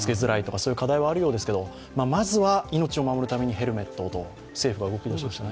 そういう課題はあるようですけれども、まずは命を守るためにヘルメットをと政府は動きだしましたね。